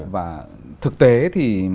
và thực tế thì